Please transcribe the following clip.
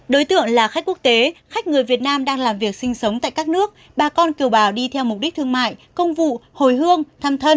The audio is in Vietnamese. đối tượng là khách quốc tế khách người việt nam đang làm việc sinh sống tại các nước bà con kiều bào đi theo mục đích thương mại công vụ hồi hương thăm thân